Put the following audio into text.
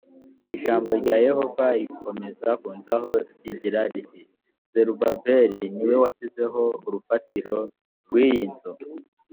ijambo rya yehova rikomeza kunzaho rigira riti zerubabeli ni we washyizeho urufatiro rw iyi nzu